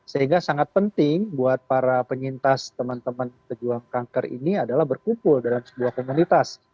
sehingga sangat penting buat para penyintas teman teman pejuang kanker ini adalah berkumpul dalam sebuah komunitas